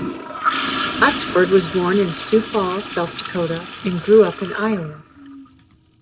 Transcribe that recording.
Botsford was born in Sioux Falls, South Dakota, and grew up in Iowa.